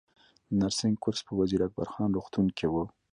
د نرسنګ کورس په وزیر اکبر خان روغتون کې و